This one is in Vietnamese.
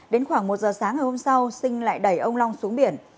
đến khoảng một giờ sáng ngày hôm sau sinh lại đẩy ông long xuống biển